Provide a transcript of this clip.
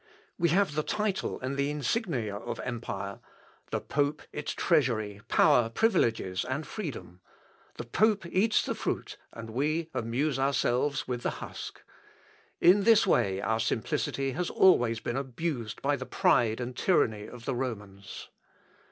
We have the title and the insignia of empire; the pope its treasury, power, privileges, and freedom. The pope eats the fruit, and we amuse ourselves with the husk. In this way our simplicity has always been abused by the pride and tyranny of the Romans.